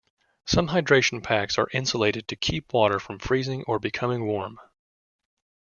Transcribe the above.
Some hydration packs are insulated to keep water from freezing or becoming warm.